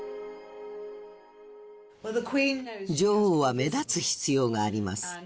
女王は目立つ必要があります。